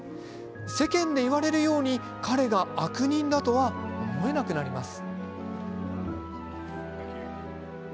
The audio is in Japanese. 世間で言われるように彼が悪人だとは思えなくなります。